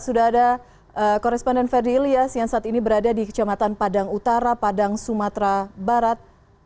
sudah ada koresponden ferdi ilyas yang saat ini berada di kecamatan padang utara padang sumatera barat